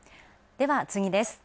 では次です。